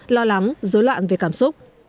lo lắng dối loạn về cảm xúc